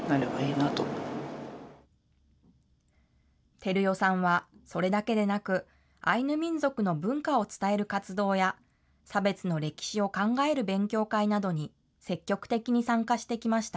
照代さんは、それだけでなく、アイヌ民族の文化を伝える活動や、差別の歴史を考える勉強会などに積極的に参加してきました。